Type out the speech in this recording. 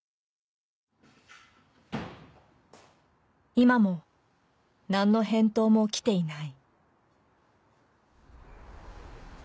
今も何の返答もきていない